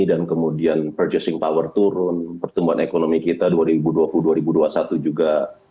dan kemudian purchasing power turun pertumbuhan ekonomi kita dua ribu dua puluh dua ribu dua puluh satu juga